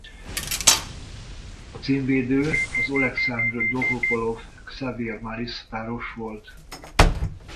A címvédő az Olekszandr Dolhopolov–Xavier Malisse-páros volt.